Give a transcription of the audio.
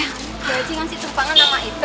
bu haji ngasih tumpangan sama ipe